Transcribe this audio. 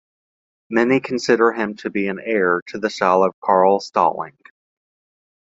Many consider him to be an heir to the style of Carl Stalling.